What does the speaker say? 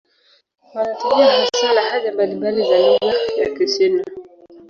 Wanatumia hasa lahaja mbalimbali za lugha ya Kichina.